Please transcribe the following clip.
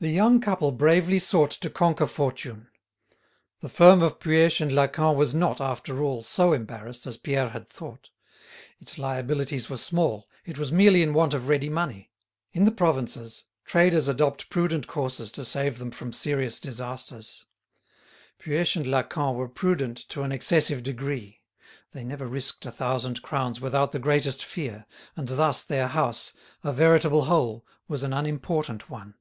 The young couple bravely sought to conquer fortune. The firm of Puech & Lacamp was not, after all, so embarrassed as Pierre had thought. Its liabilities were small, it was merely in want of ready money. In the provinces, traders adopt prudent courses to save them from serious disasters. Puech & Lacamp were prudent to an excessive degree; they never risked a thousand crowns without the greatest fear, and thus their house, a veritable hole, was an unimportant one.